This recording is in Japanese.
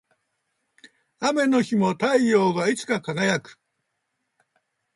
雨の日も太陽はいつか輝く